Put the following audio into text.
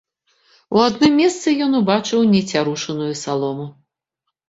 У адным месцы ён убачыў нацярушаную салому.